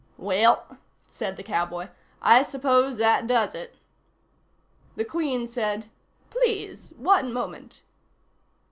"Well," said the cowboy, "I suppose that does it." The Queen said: "Please. One moment."